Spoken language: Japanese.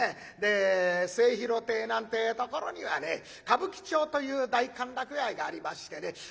で末廣亭なんてえところにはね歌舞伎町という大歓楽街がありましてね。